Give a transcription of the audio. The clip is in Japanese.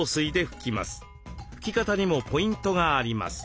拭き方にもポイントがあります。